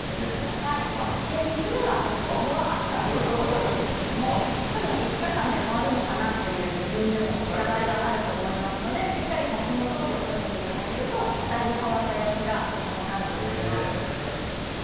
３つ目はビフォー・アフターについて多分５日間で変わるのかなという疑いがあると思いますのでしっかり写真を撮って収めていただけると変わった様子が分かると思います。